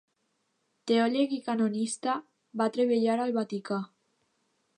Teòleg i canonista, va treballar al vaticà.